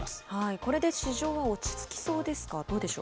これで市場は落ち着きそうですか、どうでしょう。